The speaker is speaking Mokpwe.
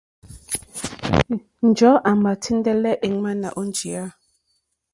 Njɔ̀ɔ́ àmà tíndɛ́lɛ́ èŋwánà ó njìyá.